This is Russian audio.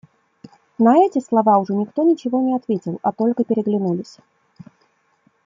На эти слова уже никто ничего не ответил, а только переглянулись.